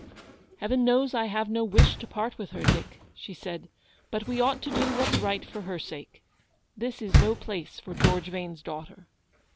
" Heaven knows I have no wish to part with her, Dick," she said ;" but we ought to do what's right for her sake. This is no place for George Vane's daughter."